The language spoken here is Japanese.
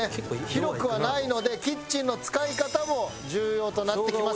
広くはないのでキッチンの使い方も重要となってきます。